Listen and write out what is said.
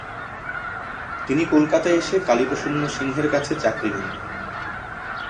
তিনি কলকাতায় এসে কালীপ্রসন্ন সিংহের কাছে চাকরি নেন।